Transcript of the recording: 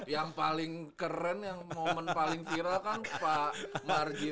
yang paling keren yang momen paling viral kan pak marjid